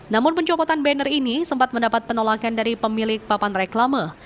namun pencopotan banner ini sempat mendapat penolakan dari pemilik papan reklame